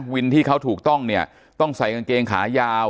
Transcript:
วินที่เขาถูกต้องเนี่ยต้องใส่กางเกงขายาว